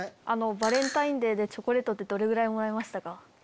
バレンタインデーでチョコレートどれぐらいもらいましたか？